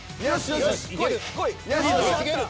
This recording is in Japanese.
よしいける。